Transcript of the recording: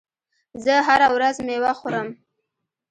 زه هره ورځ مېوه خورم.